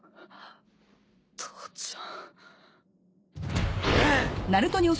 父ちゃん。